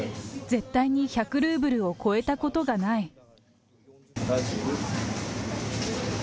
絶対に１００ルーブルを超えたことがない。